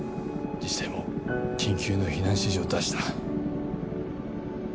自治体も緊急の避難指示を出した。